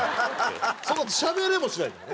そのあとしゃべれもしないんだよね。